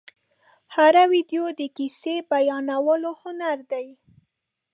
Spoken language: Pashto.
هره ویډیو د کیسې بیانولو هنر دی.